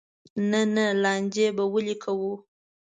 نه نه لانجې به ولې کوو.